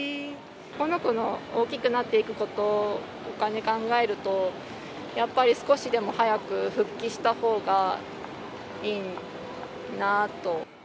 この子が大きくなっていくことお金を考えると、やっぱり少しでも早く復帰した方がいいなと。